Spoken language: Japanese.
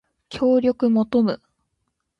協力求む